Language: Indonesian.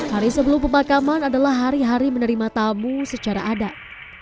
hari sebelum pemakaman adalah hari hari menerima tamu secara adat